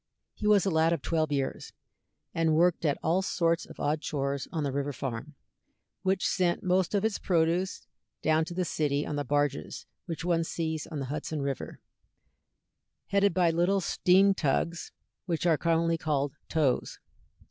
He was a lad of twelve years, and worked at all sorts of odd chores on the river farm, which sent most of its produce down to the city on the barges which one sees on the Hudson River, headed by little steam tugs, and which are commonly called "tows."